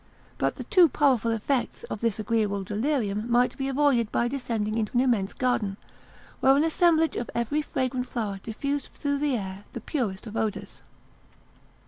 But the too powerful effects of this agreeable delirium might be avoided by descending into an immense garden, where an assemblage of every fragrant flower diffused through the air the purest odours.